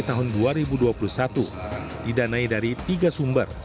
tahun dua ribu dua puluh satu didanai dari tiga sumber